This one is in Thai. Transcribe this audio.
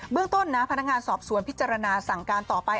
เรื่องต้นนะพนักงานสอบสวนพิจารณาสั่งการต่อไป